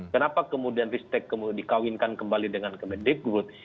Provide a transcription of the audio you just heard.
kenapa kemudian vistek dikawinkan kembali dengan kemedekwud